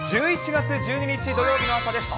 １１月１２日土曜日の朝です。